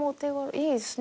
いいですね。